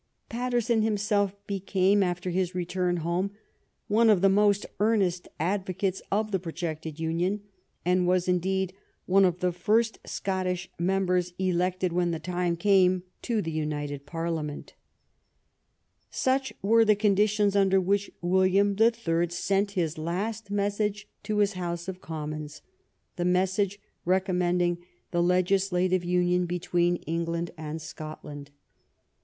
Paterson himself became, after his return home, one of the most earnest advocates of the projected union, and was, indeed, one of the first Scottish mem bers elected, when the time came, to the united Parlia ment. Such were the conditions under which William the Third sent his last message to his House of Commons, the message recommending the legislative union be 170 THE UNION WITH SCOTLAND tween England and Scotland.